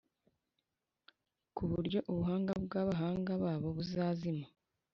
ku buryo ubuhanga bw’abahanga babo buzazima,